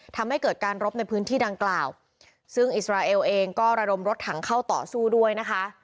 ทำให้เกิดการรบในพื้นที่ดังกล่าวซึ่งอิสราเอลเองก็ระดมรถถังเข้าต่อสู้ด้วยนะคะ